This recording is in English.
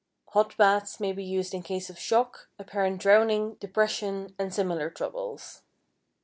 Hot baths may be used in case of shock, apparent drowning, depression, and similar troubles.